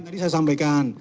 jadi saya sampaikan